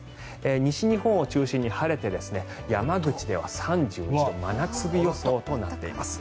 西日本を中心に晴れて山口では３１度真夏日予想となっています。